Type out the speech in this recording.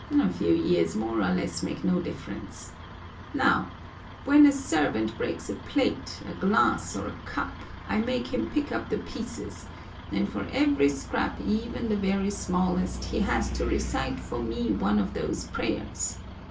"A few years more or less make no difference. Now, when a servant breaks a plate, a glass, or a cup, I make him pick up the pieces; and for every scrap, even the very smallest, he has to recite for me one of those prayers.